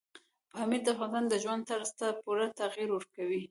پامیر د افغانانو د ژوند طرز ته پوره تغیر ورکوي.